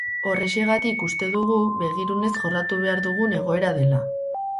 Horrexegatik uste dugu begirunez jorratu behar dugun egoera dela.